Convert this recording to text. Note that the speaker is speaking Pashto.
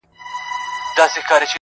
جهاني نن مي له زاهده نوې واورېدله-